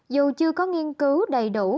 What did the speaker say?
dù chưa có nghiên cứu đầy đủ